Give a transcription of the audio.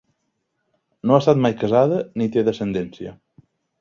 No ha estat mai casada ni té descendència.